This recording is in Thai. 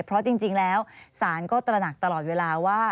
เพราะจริงแล้วศาลก็ตระหนักตลอดเวลาว่า